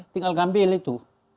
tinggal mengambil itu